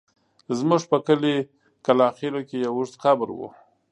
زموږ په کلي کلاخېلو کې يو اوږد قبر و.